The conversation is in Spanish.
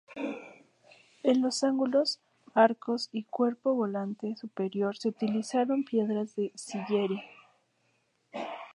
En los ángulos, arcos y cuerpo volante superior se utilizaron piedras de sillería.